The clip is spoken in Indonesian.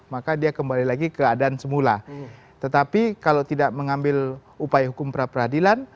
maka dia kembali lagi keadaan semula tetapi kalau tidak mengambil upaya hukum pra peradilan